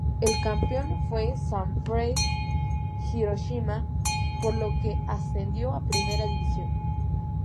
El campeón fue Sanfrecce Hiroshima, por lo que ascendió a Primera División.